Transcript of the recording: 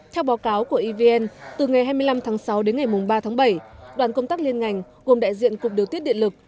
theo báo cáo của evn từ ngày hai mươi năm tháng sáu đến ngày ba tháng bảy đoàn công tác liên ngành gồm đại diện cục điều tiết điện lực